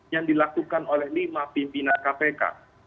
yang dilakukan oleh lima pimpinan kpk